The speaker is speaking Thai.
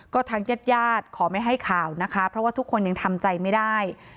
ก็ทางญาติญาติขอไม่ให้ข่าวนะคะเพราะว่าทุกคนยังทำใจไม่ได้